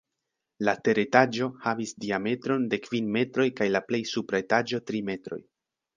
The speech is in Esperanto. La teretaĝo havis diametron de kvin metroj kaj la plej supra etaĝo tri metroj.